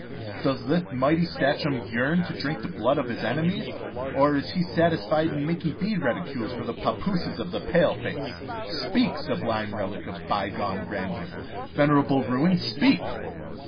Does the mighty Sachem yearn to drink the blood of his enemies, or is he satisfied to make bead reticules for the pappooses of the paleface? Speak, sublime relic of bygone grandeur venerable ruin, speak!"